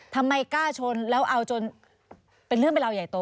ทำไมกล้าชนแล้วเอาจนเป็นเรื่องเป็นราวใหญ่โต